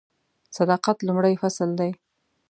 صداقت لومړی فصل دی .